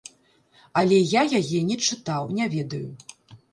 Але я яе не чытаў, не ведаю.